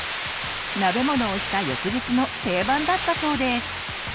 鍋物をした翌日の定番だったそうです。